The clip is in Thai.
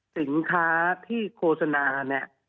สินค้าที่โฆษณาเนี่ย